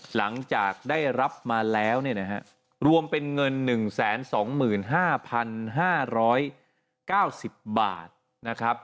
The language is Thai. หลังจากได้รับมาแล้วเนี่ยนะฮะรวมเป็นเงิน๑๒๕๕๙๐บาทนะครับ